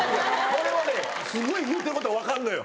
俺はねすごい言うてること分かんのよ。